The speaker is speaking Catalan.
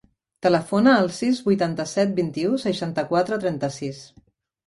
Telefona al sis, vuitanta-set, vint-i-u, seixanta-quatre, trenta-sis.